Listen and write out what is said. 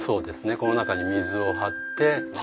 この中に水を張ってはい。